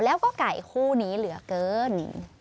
แล้วก็ไก่คู่นี้เหลือเกิน